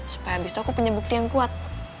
supaya abis itu aku punya bukti yang kuat